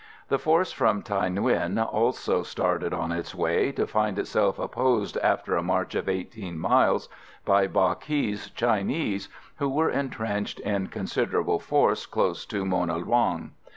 The force from Thaï Nguyen also started on its way, to find itself opposed, after a march of 18 miles, by Ba Ky's Chinese, who were entrenched in considerable force close to Mona Luong.